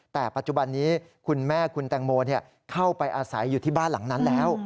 แต่ปัจจุบันนี้คุณแม่คุณแตงโมเข้าไปอาศัยอยู่ที่บ้านหลังนั้นแล้ว